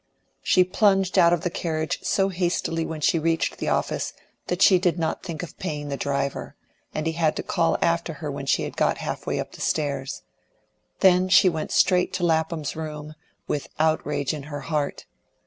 She plunged out of the carriage so hastily when she reached the office that she did not think of paying the driver; and he had to call after her when she had got half way up the stairs. Then she went straight to Lapham's room, with outrage in her heart.